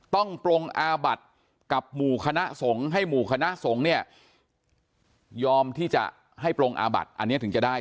ปรงอาบัติกับหมู่คณะสงฆ์ให้หมู่คณะสงฆ์เนี่ยยอมที่จะให้ปรงอาบัติอันนี้ถึงจะได้